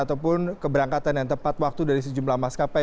ataupun keberangkatan yang tepat waktu dari sejumlah maskapai